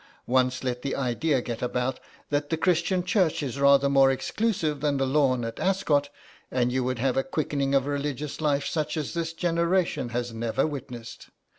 Once let the idea get about that the Christian Church is rather more exclusive than the Lawn at Ascot, and you would have a quickening of religious life such as this generation has never witnessed.